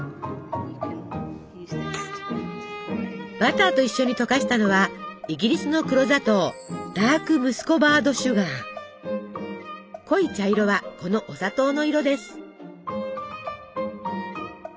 バターと一緒に溶かしたのはイギリスの黒砂糖濃い茶色はこのお砂糖の色です。